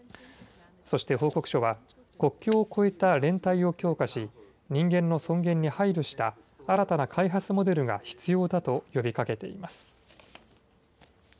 そして報告書は国境を越えた連帯を強化し人間の尊厳に配慮した新たな開発モデルが必要だと呼びかけています。